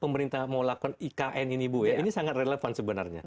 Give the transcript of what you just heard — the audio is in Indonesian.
pemerintah mau lakukan ikn ini bu ya ini sangat relevan sebenarnya